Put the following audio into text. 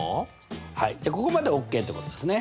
はいじゃあここまではＯＫってことですね。